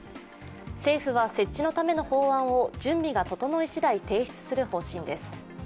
政府は設置のための法案を準備が整いしだい提出する方針です。